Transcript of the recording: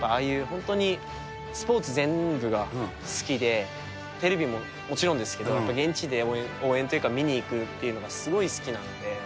本当にスポーツ全部が好きで、テレビももちろんですけど、現地で応援というか見に行くっていうのがすごい好きなんで。